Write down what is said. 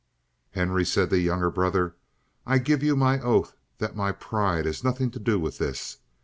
"Henry," said the younger brother, "I give you my oath that my pride has nothing to do with this.